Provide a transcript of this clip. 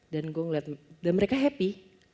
gue ngeliat dan mereka happy